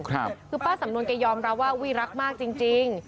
คือป้าสำนวนแกยอมรับว่าอุ้ยรักมากจริง